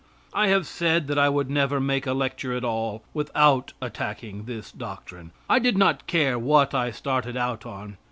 I have said that I would never make a lecture at all without attacking this doctrine. I did not care what I started out on.